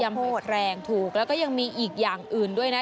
หมดแรงถูกแล้วก็ยังมีอีกอย่างอื่นด้วยนะ